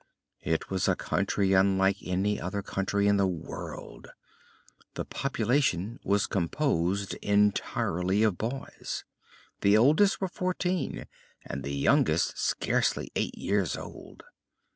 It was a country unlike any other country in the world. The population was composed entirely of boys. The oldest were fourteen, and the youngest scarcely eight years old.